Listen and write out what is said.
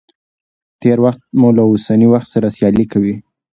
تېر وخت مو له اوسني وخت سره سيالي کوي.